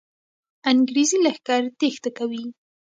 انګریزي لښکر تېښته کوي.